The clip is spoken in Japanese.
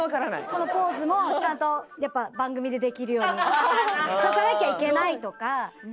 このポーズもちゃんとやっぱ番組でできるようにしとかなきゃいけないとか。